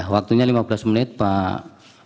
waktunya lima belas menit pak